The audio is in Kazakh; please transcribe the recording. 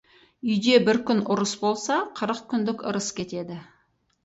Үйде бір күн ұрыс болса, қырық күндік ырыс кетеді.